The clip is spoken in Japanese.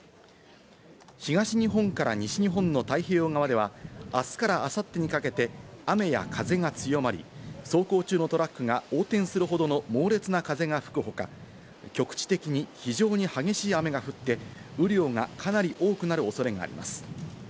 東日本から西日本の太平洋側ではあすから、あさってにかけて雨や風が強まり、走行中のトラックが横転するほどの猛烈な風が吹く他、局地的に非常に激しい雨が降って雨量がかなり多くなるおそれがあります。